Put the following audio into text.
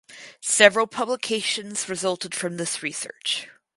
Several publications resulted from this research.